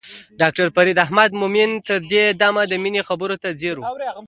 ډاکټر فريد احمد حشمتي تر دې دمه د مينې خبرو ته ځير و.